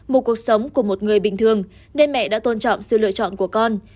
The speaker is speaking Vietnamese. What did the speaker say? một cuộc sống của một người bình thường nên mẹ đã tôn trọng sự lựa chọn của con